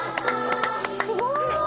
「すごい！」